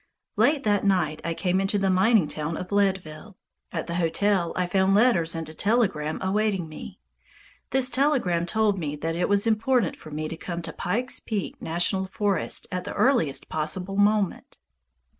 Late that night I came into the mining town of Leadville. At the hotel I found letters and a telegram awaiting me. This telegram told me that it was important for me to come to the Pike's Peak National Forest at the earliest possible moment.